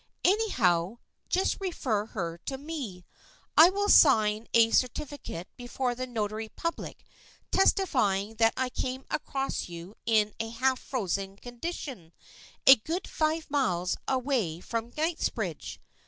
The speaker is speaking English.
Anyhow, just refer her to me. I will sign a cer tificate before the Notary Public, testifying that I came across you in a half frozen condition a good five miles away from Kingsbridge.